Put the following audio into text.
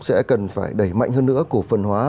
sẽ cần phải đẩy mạnh hơn nữa cổ phần hóa